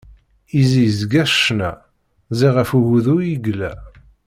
Izi izga s ccna, ziɣ ɣef ugudu i yella.